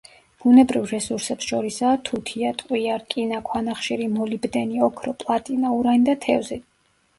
ბუნებრივ რესურსებს შორისაა თუთია, ტყვია, რკინა, ქვანახშირი, მოლიბდენი, ოქრო, პლატინა, ურანი და თევზი.